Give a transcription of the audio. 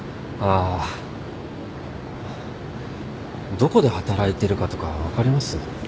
どこで働いてるかとか分かります？